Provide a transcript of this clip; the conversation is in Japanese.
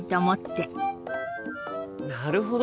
なるほど！